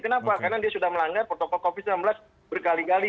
kenapa karena dia sudah melanggar protokol covid sembilan belas berkali kali